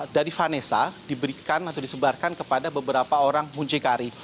dari vanessa diberikan atau disebarkan kepada beberapa orang muncikari